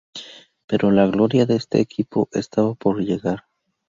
Pero la gloria de este equipo estaba por llegar.